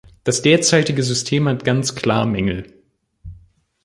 Das derzeitige System hat ganz klar Mängel.